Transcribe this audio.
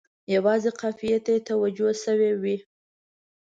یوازې قافیې ته یې توجه شوې وي.